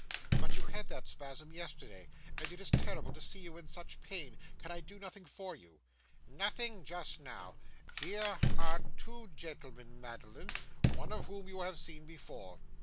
'But you had that spasm yesterday, and it is terrible to see you in such pain. Can I do nothing for you?' 'Nothing just now. Here are two gentlemen, Madeline, one of whom you have seen before.